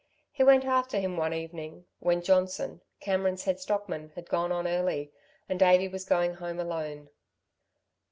He went after him one evening, when Johnson, Cameron's head stockman, had gone on early, and Davey was going home alone.